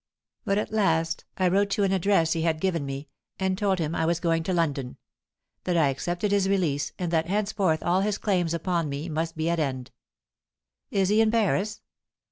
But at last I wrote to an address he had given me, and told him I was going to London that I accepted his release, and that henceforth all his claims upon me must be at end." "Is he in Paris?"